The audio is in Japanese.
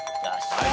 はい。